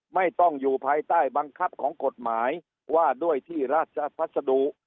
ไม่ต้องอยู่ภายใต้บังคับของกฎหมายว่าด้วยที่ราชพัสดุ